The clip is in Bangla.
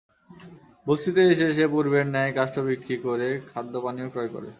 বস্তিতে এসে সে পূর্বের ন্যায় কাষ্ঠ বিক্রি করে খাদ্য পানীয় ক্রয় করে।